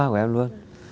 cùng khoa của em luôn